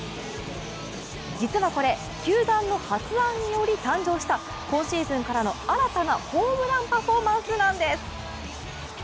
＿実はこれ、球団の初案により誕生した今シーズンからの新たなホームランパフォーマンスなんです。